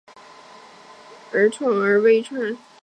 左腿因为幼年长疮而微残。